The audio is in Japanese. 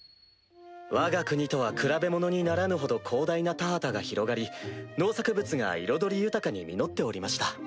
わが国とは比べものにならぬほど広大な田畑が広がり農作物が彩り豊かに実っておりました。